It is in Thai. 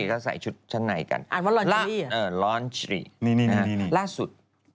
ก็ใส่ชุดชั้นในกันรอนเจลลี่ล่าสุดนี่ไง